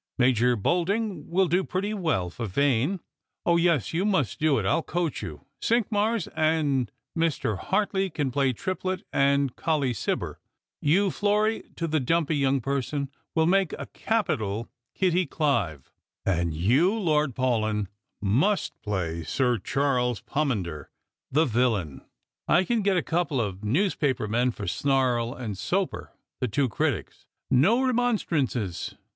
Major Bolding will do pretty well for Vane. Oh yes, you must do it ; I'll coach you. Cinqmars and Mr. Hartley can play Triplet and CoUey Gibber ; you, Flory "— to the dumpy young person — "will make a capital Kitty Clive; and you, Lord Paulyn, must play Sir Charles Pomander, the vil lain. I can get a couple of newsjjaper men for Snarl and Soaper, the two critics. No remonstrances.